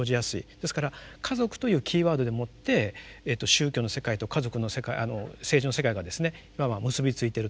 ですから「家族」というキーワードでもって宗教の世界と家族の世界政治の世界がですねいわば結びついてると。